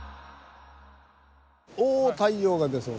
おお太陽が出そうだ。